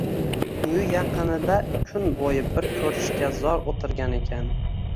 Uyi yaqinida kun bo‘yi bir ko‘rishga zor o‘tirgan ekan